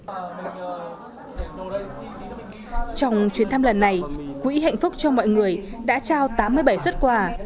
trong chuyến thăm lần này quỹ hạnh phúc cho mọi người đã trao tám mươi bảy xuất quà